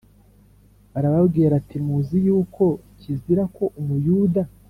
arababwira ati Muzi yuko kizira ko Umuyuda